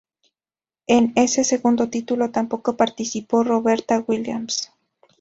En ese segundo título tampoco participó Roberta Williams.